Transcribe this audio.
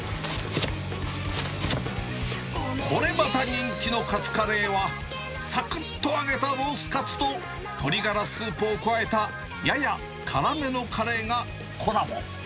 これまた人気のかつカレーは、さくっと揚げたロースカツと鶏ガラスープを加えたやや辛めのカレーがコラボ。